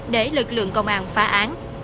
để lực lượng công an phá án